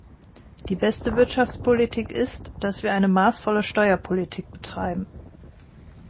Die beste Wirtschaftspolitik ist, dass wir eine maßvolle Steuerpolitik betreiben.